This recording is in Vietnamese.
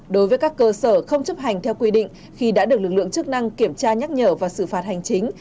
đối với các cơ sở không chấp hành theo quy định khi đã được lực lượng chức năng kiểm tra nhắc nhở và xử phạt hành chính